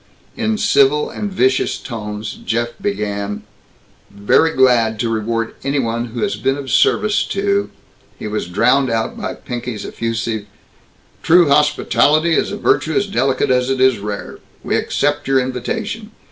In civil and vicious tones Jeff began, "Very glad to reward any one who has been of service to " He was drowned out by Pinky's effusive, "True hospitality is a virtue as delicate as it is rare. We accept your invitation.